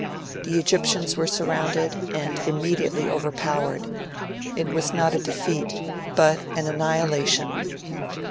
The Egyptians were surrounded, and immediately overpowered. It was not a defeat, but an annihilation.